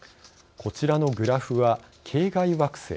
こちらのグラフは系外惑星